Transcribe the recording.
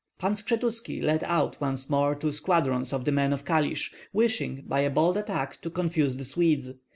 Pan Skshetuski led out once more two squadrons of the men of Kalish, wishing by a bold attack to confuse the Swedes.